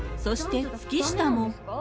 そして月下も。